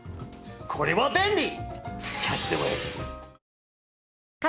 これは便利！